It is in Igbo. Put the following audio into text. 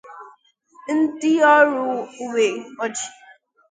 ' ndị ọrụ uwe ojii